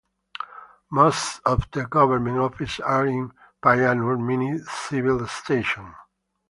Most of the government offices are in Payyanur Mini Civil Station.